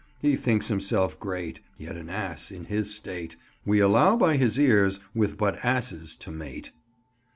He thinks himself great, Yet an ass in his state We allow by his ears with but asses to mate."